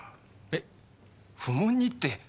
えっ不問にって。